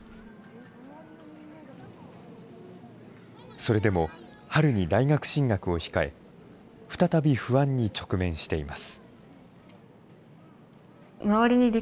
それでも春に大学進学を控え、再び不安に直面しています。